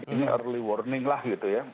ini early warning lah gitu ya